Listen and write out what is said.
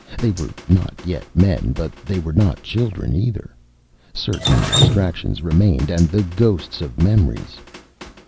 They were not yet men; but they were not children either. Certain abstractions remained, and the ghosts of memories.